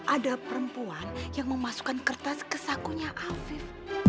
ada perempuan yang memasukkan kertas ke sakunya afif